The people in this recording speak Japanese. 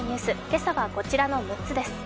今朝はこちらの６つです。